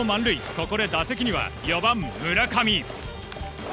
ここで打席には４番、村上。